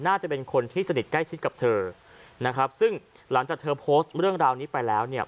น่าจะเป็นคนที่สนิทใกล้ชิดกับเธอนะครับซึ่งหลังจากเธอโพสต์เรื่องราวนี้ไปแล้วเนี่ย